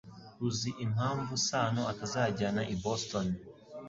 Uzi impamvu Sano atazajyana i Boston